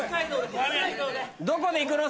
どこでいくの？